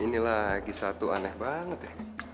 ini lagi satu aneh banget ya